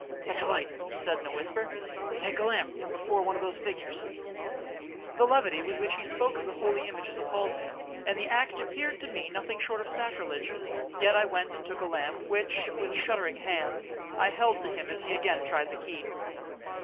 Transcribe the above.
'Fetch a light,' he said in a whisper; 'take a lamp from before one of those figures.' The levity with which he spoke of the holy images appalled me, and the act appeared to me nothing short of sacrilege; yet I went and took a lamp, which, with a shuddering hand, I held to him as he again tried the key.